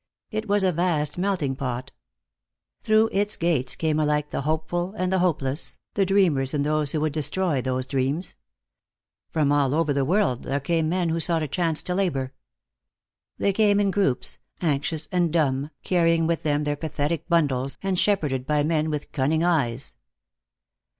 It was a vast melting pot. Through its gates came alike the hopeful and the hopeless, the dreamers and those who would destroy those dreams. From all over the world there came men who sought a chance to labor. They came in groups, anxious and dumb, carrying with them their pathetic bundles, and shepherded by men with cunning eyes.